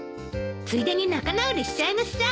ついでに仲直りしちゃいなさい。